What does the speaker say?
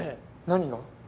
何が？